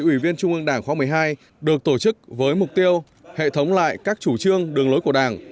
ủy viên trung ương đảng khóa một mươi hai được tổ chức với mục tiêu hệ thống lại các chủ trương đường lối của đảng